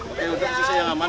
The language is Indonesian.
oke untuk sisi yang aman